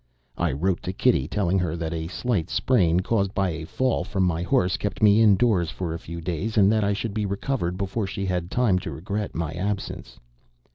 I wrote to Kitty, telling her that a slight sprain caused by a fall from my horse kept me indoors for a few days; and that I should be recovered before she had time to regret my absence.